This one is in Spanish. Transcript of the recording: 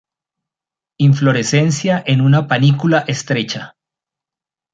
Inflorescencia en una panícula estrecha.